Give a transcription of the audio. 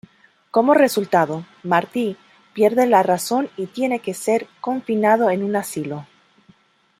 Como resultado, "Marti" pierde la razón y tiene que ser confinado en un asilo.